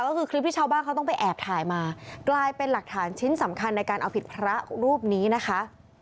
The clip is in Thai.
ก็คือคลิปที่ชาวบ้านเขาต้องไปแอบถ่ายมากลายเป็นหลักฐานชิ้นสำคัญในการเอาผิดพระรูปนี้นะคะ